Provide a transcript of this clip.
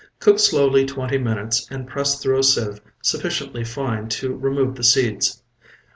Cook slowly twenty minutes and press through a sieve sufficiently fine to remove the seeds.